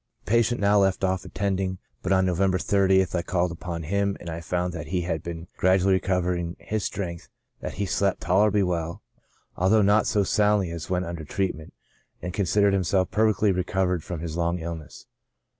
The patient now left off attending, but on November 8 114 CHRONIC ALCOHOLISM. 30th I called upon him, and found that he had been grad ually recovering his strength, that he slept tolerably well, although not so soundly as when under treatment, and con sidered himself perfectly recovered from his long illness.